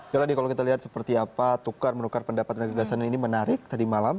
yoladi kalau kita lihat seperti apa tukar menukar pendapat dan gagasan ini menarik tadi malam